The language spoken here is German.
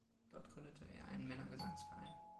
Dort gründete er einen Männergesangsverein.